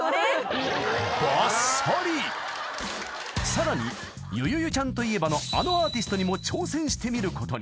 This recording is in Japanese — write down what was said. ［さらによよよちゃんといえばのあのアーティストにも挑戦してみることに。